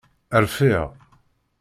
Rfiɣ.